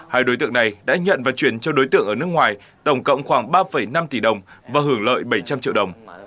hai đối tượng này đã nhận và chuyển cho đối tượng ở nước ngoài tổng cộng khoảng ba năm tỷ đồng và hưởng lợi bảy trăm linh triệu đồng